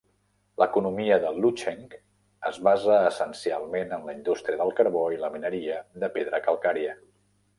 L'economia de Lucheng es basa essencialment en la indústria del carbó i la mineria de pedra calcària.